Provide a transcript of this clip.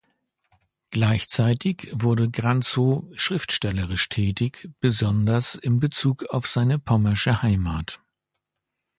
Gleichzeitig wurde Granzow schriftstellerisch tätig, besonders im Bezug auf seine pommersche Heimat.